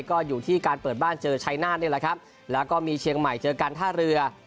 ก็อยู่ที่การเปิดบ้านเจอชัยนาธนี่แหละครับแล้วก็มีเชียงใหม่เจอการท่าเรือ